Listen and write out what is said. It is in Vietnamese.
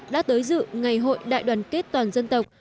đã tới dự ngày hội đại đoàn kết toàn dân tộc